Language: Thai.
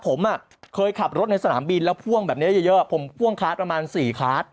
ผมเคยขับรถในสนามบินแล้วพ่วงแบบนี้เยอะผมพ่วงคาร์ดประมาณ๔คาร์ด